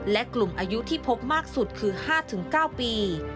และกลุ่มอายุที่พบมากสุดคือ๕๙ปี